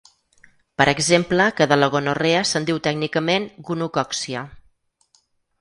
Per exemple que de la gonorrea se'n diu tècnicament gonocòccia.